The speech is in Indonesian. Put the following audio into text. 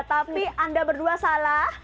tapi anda berdua salah